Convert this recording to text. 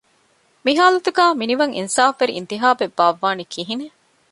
މި ހާލަތުގައި މިނިވަން އިންސާފުވެރި އިންތިހާބެއް ބާއްވާނީ ކިހިނެއް؟